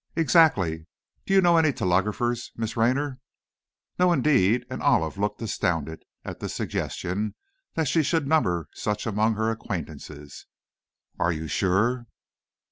"Exactly. Do you know any telegrapher, Miss Raynor?" "No, indeed!" and Olive looked astounded at the suggestion that she should number such among her acquaintances. "Are you sure?"